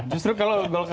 justru kalau golkar